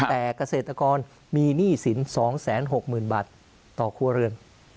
แต่เกษตรกรมีหนี้สิน๒๖๐๐๐บาทต่อครัวเรือน